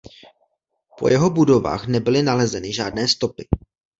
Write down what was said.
Po jeho budovách nebyly nalezeny žádné stopy.